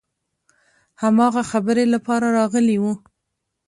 هماغه خبرې لپاره راغلي وو.